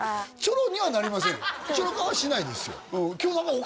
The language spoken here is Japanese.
チョロ化はしないですよ